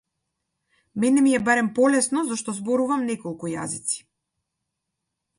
Мене ми е барем полесно зашто зборувам неколку јазици.